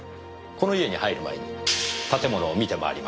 この家に入る前に建物を見て回りました。